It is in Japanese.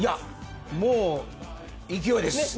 もう、勢いです。